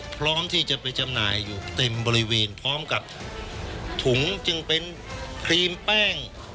พร้อมที่จะไปจำหน่ายอยู่เต็มบริเวณพร้อมกับถุงจึงเป็นครีมแป้ง